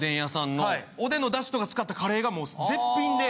おでんのだしとか使ったカレーが絶品で。